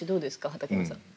畠山さん。